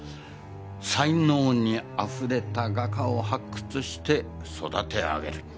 才能に溢れた画家を発掘して育て上げる。